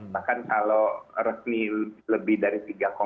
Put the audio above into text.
bahkan kalau resmi lebih dari